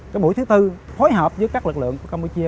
cái mũi thứ tư phối hợp với các lực lượng của campuchia